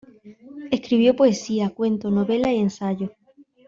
Escribió poesía, cuento, novela y ensayo.